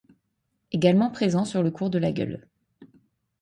Également présent sur le cours de la Gueule.